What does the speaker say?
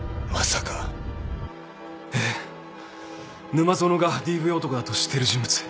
沼園がＤＶ男だと知っている人物。